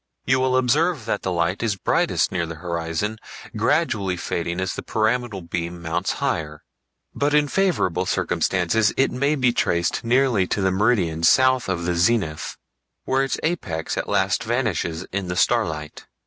You will observe that the light is brightest near the horizon, gradually fading as the pyramidal beam mounts higher, but in favorable circumstances it may be traced nearly to the meridian south of the zenith, where its apex at last vanishes in the starlight.